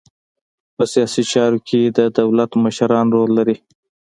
په سیاسي چارو کې د دولت مشران رول لري